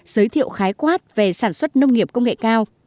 giới thiệu khái quát về sản xuất nông nghiệp công nghệ cao